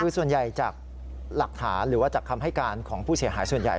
คือส่วนใหญ่จากหลักฐานหรือว่าจากคำให้การของผู้เสียหายส่วนใหญ่